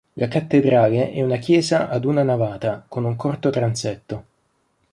La cattedrale è una chiesa ad una navata con un corto transetto.